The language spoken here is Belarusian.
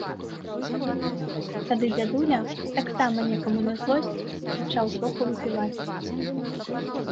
Тады дзядуля, таксама некаму на злосць, пачаў троху выпіваць.